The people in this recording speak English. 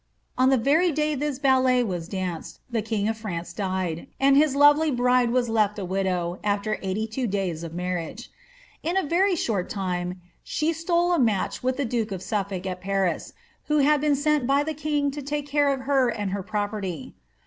On the very day this ballet was danced, the king of France died, and his lovely bride was lefi a widow, after eighty two days' marriage, b a very short time she stole a match with the duke of Suffolk at Paris, who had been sent by the king to take c^ of her and her property.